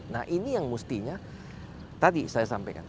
nah ini yang mestinya tadi saya sampaikan